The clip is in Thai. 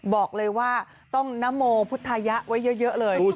บอกเลยว่าต้องนโมพุทธายะไว้เยอะเลย